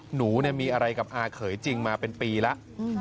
หนูมีอะไรกับอาเขยจริงมาเป็นปีแล้ว